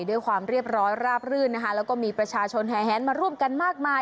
ด้วยความเรียบร้อยราบรื่นนะคะแล้วก็มีประชาชนแห่แหนมาร่วมกันมากมาย